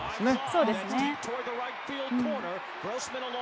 そうですね。